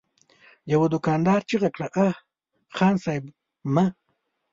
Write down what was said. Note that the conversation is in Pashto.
يوه دوکاندار چيغه کړه: اه! خان صيب! مه!